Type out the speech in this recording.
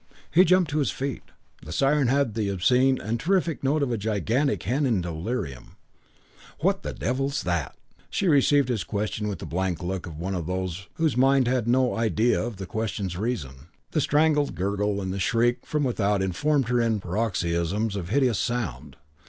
He jumped to his feet. The siren had the obscene and terrific note of a gigantic hen in delirium. "What the devil's that?" She received his question with the blank look of one whose mind had no idea of the question's reason. The strangled gurgle and shriek from without informed her in paroxysms of hideous sound.